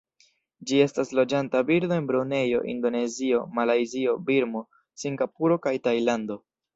Ĝi estas loĝanta birdo en Brunejo, Indonezio, Malajzio, Birmo, Singapuro kaj Tajlando.